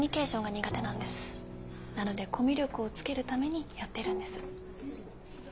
なのでコミュ力をつけるためにやってるんです。